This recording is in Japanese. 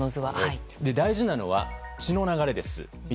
大事なのは血の流れです。